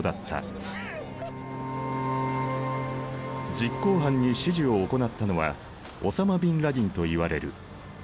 実行犯に指示を行ったのはオサマ・ビン・ラディンといわれる。